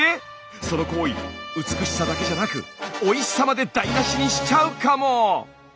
その行為美しさだけじゃなくおいしさまで台なしにしちゃうかも！